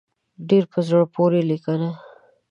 ډېره په زړه پورې لیکنه.